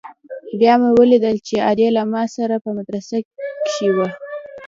بيا مې وليدل چې ادې له ما سره په مدرسه کښې ده.